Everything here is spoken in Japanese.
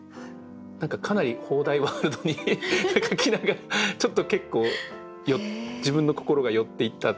何かかなり「方代ワールド」に書きながらちょっと結構自分の心が寄っていったところがあって。